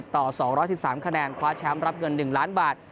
ต่อ๒๑๓คะแนนคว้าแชมป์รับเงิน๑ล้านบาท